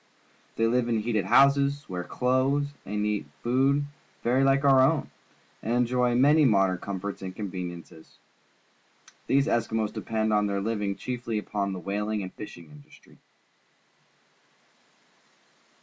They live in heated houses, wear clothes and eat food very hke our own, and enjoy many modem comforts and conveniences. These Eskimos depend foi tiieir living cliiefly upon the whaling and fishing industry.